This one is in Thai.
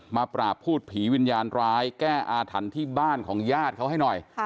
ปราบพูดผีวิญญาณร้ายแก้อาถรรพ์ที่บ้านของญาติเขาให้หน่อย